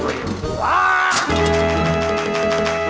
untung gue berkasa